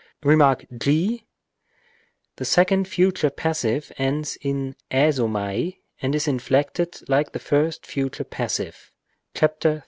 Rem. g. The second future passive ends in yoowa and is inflected like the first future passive (§ 34).